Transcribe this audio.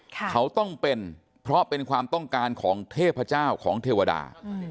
เขาต้องเป็นเพราะเป็นความต้องการของเทพเจ้าของเทวดา